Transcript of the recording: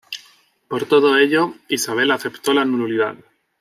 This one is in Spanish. Por todo ello, Isabel aceptó la nulidad.